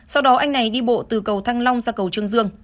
sau đó anh này đi bộ từ cầu thăng long ra cầu trương dương